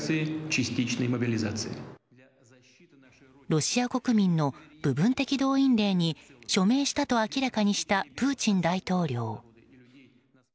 ロシア国民の部分的動員令に署名したと明らかにしたプーチン大統領。